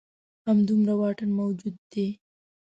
همدومره واټن موجود دی.